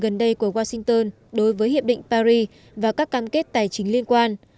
gần đây của washington đối với hiệp định paris và các cam kết tài chính liên quan